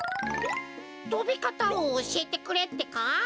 とびかたをおしえてくれってか？